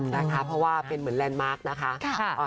นะคะเพราะว่าเป็นเหมือนแลนด์มาร์คนะคะ